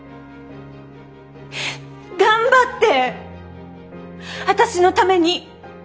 頑張って私のために。